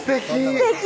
すてき！